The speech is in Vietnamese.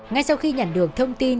ngay sau khi nhận được thông tin